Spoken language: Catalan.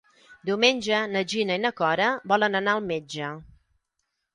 Diumenge na Gina i na Cora volen anar al metge.